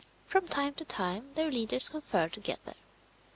From time to time their leaders conferred together.